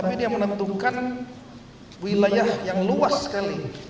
ini yang menentukan wilayah yang luas sekali